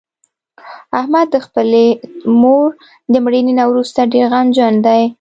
احمد د خپلې مور د مړینې نه ورسته ډېر غمجن دی.